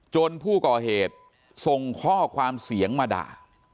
ผู้ก่อเหตุส่งข้อความเสียงมาด่า